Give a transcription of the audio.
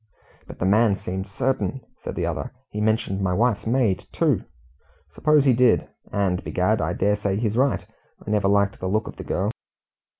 "But the man seemed certain," said the other. "He mentioned my wife's maid, too!" "Suppose he did? and, begad, I dare say he's right I never liked the look of the girl.